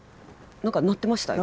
何か鳴ってましたね。